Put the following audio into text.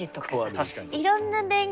確かにね。